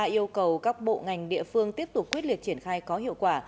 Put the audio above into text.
yêu cầu các bộ ngành địa phương tiếp tục quyết liệt triển khai có hiệu quả